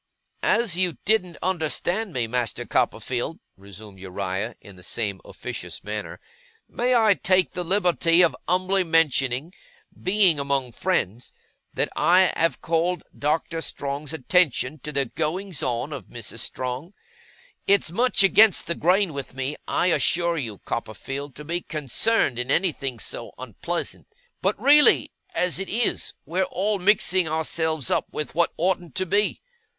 'As you didn't understand me, Master Copperfield,' resumed Uriah in the same officious manner, 'I may take the liberty of umbly mentioning, being among friends, that I have called Doctor Strong's attention to the goings on of Mrs. Strong. It's much against the grain with me, I assure you, Copperfield, to be concerned in anything so unpleasant; but really, as it is, we're all mixing ourselves up with what oughtn't to be.